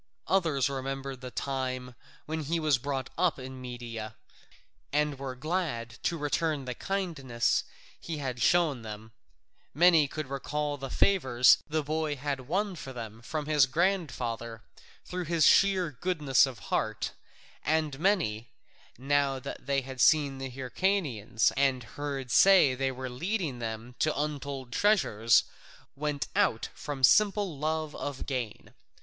Others remembered the time when he was brought up in Media, and were glad to return the kindnesses that he had shown them; many could recall the favours the boy had won for them from his grandfather through his sheer goodness of heart; and many, now that they had seen the Hyrcanians and heard say they were leading them to untold treasures, went out from simple love of gain.